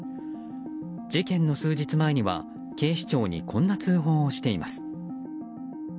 事件の数日前には警視庁にこんな通報をしています。